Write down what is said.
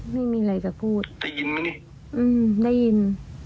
ไม่มีอะไรจะพูดได้ยินไหมเนี่ยอืมได้ยิน